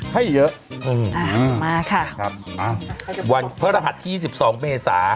ให้เยอะมาค่ะครับวันเพิราะหัสที่๒๒เมษา